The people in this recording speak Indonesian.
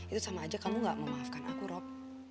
itu sama aja kamu gak memaafkan aku rob